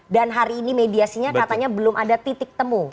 dan hari ini mediasinya katanya belum ada titik temu